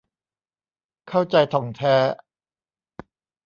เข้าใจถ่องแท้